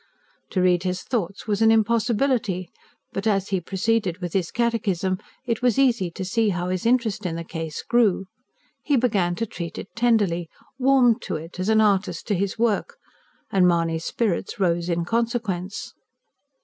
To read his thoughts was an impossibility; but as he proceeded with his catechism it was easy to see how his interest in the case grew. He began to treat it tenderly; warmed to it, as an artist to his work; and Mahony's spirits rose in consequence.